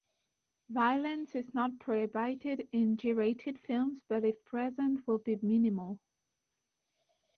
Violence is not prohibited in G rated films, but if present will be minimal.